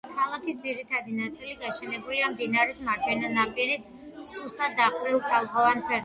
ქალაქის ძირითადი ნაწილი განაშენიანებულია მდინარის მარჯვენა ნაპირის სუსტად დახრილ ტალღოვან ფერდობზე.